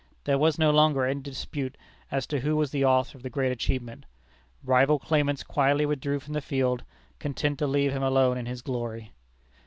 There was no longer any dispute as to who was the author of the great achievement. Rival claimants quietly withdrew from the field, content to leave him alone in his glory.